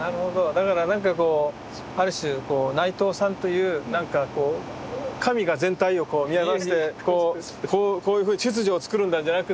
だからなんかこうある種内藤さんというなんかこう神が全体をこうこういうふうに秩序をつくるんだじゃなくって